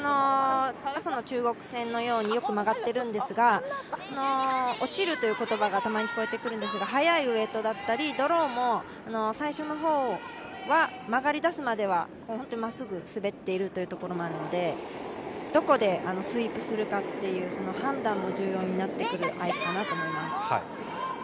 朝の中国戦のようによく曲がっているんですが、「落ちる」という言葉がたまに聞こえてくるんですが、速いウエイトだったり、ドローも最初の方は曲がりだすまでは本当にまっすぐ滑っているというところなのでどこでスイープするかという判断も重要になってくるアイスかなと思います。